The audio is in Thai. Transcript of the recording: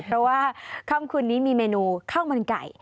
เพราะว่าค่ำคืนนี้มีเมนูข้าวมันไก่